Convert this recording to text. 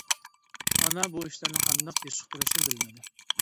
ئانا بۇ ئىشلارنى قانداق بېسىقتۇرۇشنى بىلمىدى.